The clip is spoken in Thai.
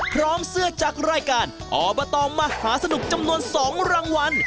พร้อมเสื้อจากรายการอบตมหาสนุกจำนวน๒รางวัล